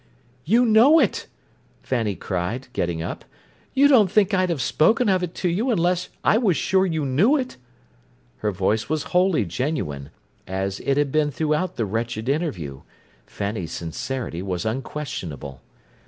"You know it!" Fanny cried, getting up. "You don't think I'd have spoken of it to you unless I was sure you knew it?" Her voice was wholly genuine, as it had been throughout the wretched interview: Fanny's sincerity was unquestionable.